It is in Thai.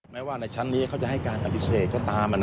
แม้ว่าในชั้นนี้เขาจะให้การปฏิเสธก็ตาม